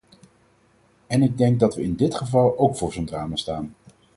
En ik denk dat we in dit geval ook voor zo'n drama staan.